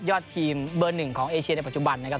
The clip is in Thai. อดทีมเบอร์หนึ่งของเอเชียในปัจจุบันนะครับ